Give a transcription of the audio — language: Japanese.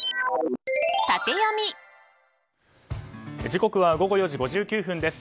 時刻は午後４時５９分です。